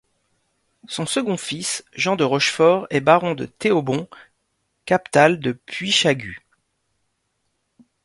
Son second fils, Jean de Rochefort, est baron de Théobon, captal de Puychagut.